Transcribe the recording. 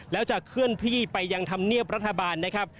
แล้วจะเคลื่อนที่ไปยังธรรมเนียบรัฐบาลนะครับ